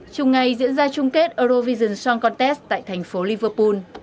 chủng ngày diễn ra chung kết eurovision song contest tại thành phố liverpool